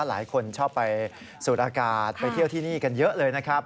หลายคนชอบไปสูดอากาศไปเที่ยวที่นี่กันเยอะเลยนะครับ